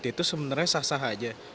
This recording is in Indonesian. itu sebenarnya sah sah aja